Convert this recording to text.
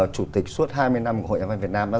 chủ tịch suốt hai mươi năm của hội nhà văn việt nam